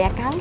ini ada apa